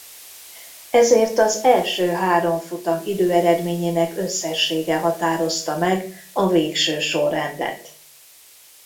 Ezért az első három futam időeredményének összessége határozta meg a végső sorrendet.